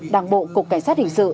đảng bộ cục cảnh sát hình sự